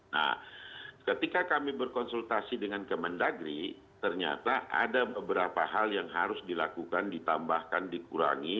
nah ketika kami berkonsultasi dengan kemendagri ternyata ada beberapa hal yang harus dilakukan ditambahkan dikurangi